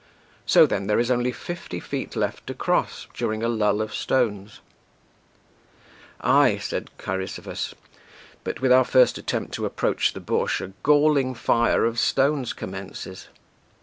So then, there is only fifty feet left to cross, during a lull of stones." "Ay," said Cheirisophus, "but with our first attempt to approach the bush a galling fire of stones commences."